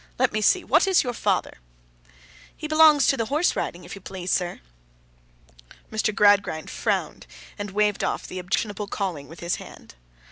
Let me see. What is your father?' 'He belongs to the horse riding, if you please, sir.' Mr. Gradgrind frowned, and waved off the objectionable calling with his hand.